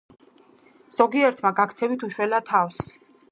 ზოგიერთმა გაქცევით უშველა თავს.